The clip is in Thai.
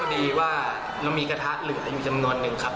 ดีว่าเรามีกระทะเหลืออยู่จำนวนนึงครับ